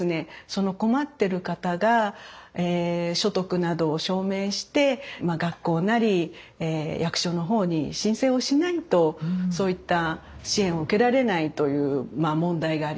その困ってる方が所得などを証明して学校なり役所の方に申請をしないとそういった支援を受けられないという問題がありまして。